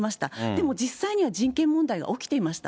でも実際には人権問題が起きていました。